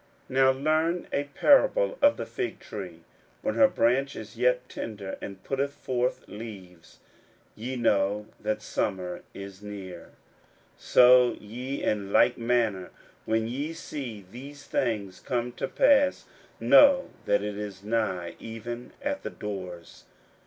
41:013:028 Now learn a parable of the fig tree; When her branch is yet tender, and putteth forth leaves, ye know that summer is near: 41:013:029 So ye in like manner, when ye shall see these things come to pass, know that it is nigh, even at the doors.